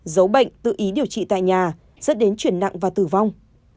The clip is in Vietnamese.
giấu bệnh tự ý điều trị tại nhà dẫn đến chuyển nặng và tử vong